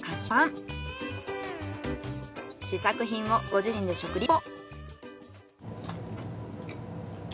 試作品をご自身で食リポ。